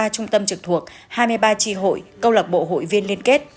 ba trung tâm trực thuộc hai mươi ba tri hội câu lạc bộ hội viên liên kết